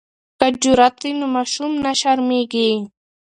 که جرات وي نو ماشوم نه شرمیږي.